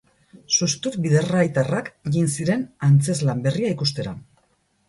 Sustut bidarraitarrak jin ziren antzezlan berria ikustera.